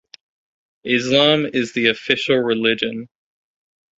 Islam is the official religion.